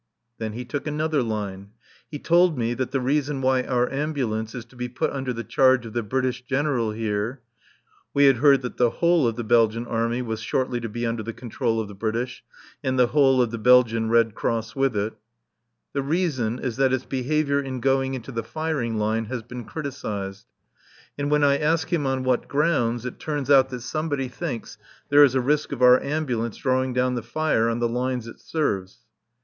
Then he took another line. He told me that the reason why our Ambulance is to be put under the charge of the British General here (we had heard that the whole of the Belgian Army was shortly to be under the control of the British, and the whole of the Belgian Red Cross with it) the reason is that its behaviour in going into the firing line has been criticized. And when I ask him on what grounds, it turns out that somebody thinks there is a risk of our Ambulance drawing down the fire on the lines it serves.